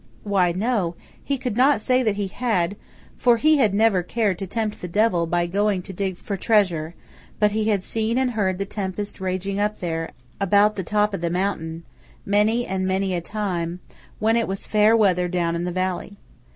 Why, no–he could not say that he had; for he had never cared to tempt the Devil by going to dig for treasure; but he had seen and heard the tempest raging up there about the top of the mountain, many and many a time, when it was fair weather down in the valley.